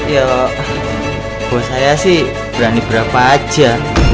ya buat saya sih berani berapa aja